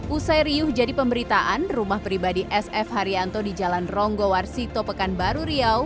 usai riuh jadi pemberitaan rumah pribadi s f haryanto di jalan ronggowar sito pekanbaru riau